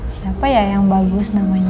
siapa ya yang bagus namanya